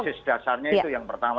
basis dasarnya itu yang pertama